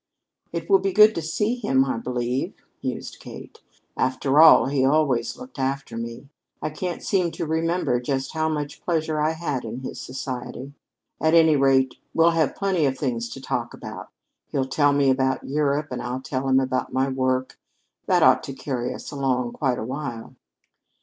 "It will be good to see him, I believe," mused Kate. "After all, he always looked after me. I can't seem to remember just how much pleasure I had in his society. At any rate, we'll have plenty of things to talk about. He'll tell me about Europe, and I'll tell him about my work. That ought to carry us along quite a while."